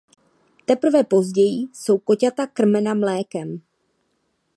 Teprve později jsou koťata krmena mlékem.